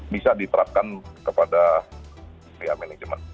bisa diterapkan kepada pihak manajemen